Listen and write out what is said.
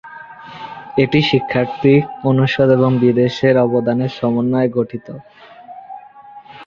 এটি শিক্ষার্থী, অনুষদ এবং বিদেশের অবদানের সমন্বয়ে গঠিত।